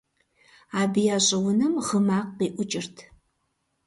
Абы я щӀыунэм гъы макъ къиӏукӏырт.